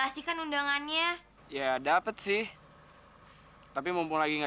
soalnya arthur itu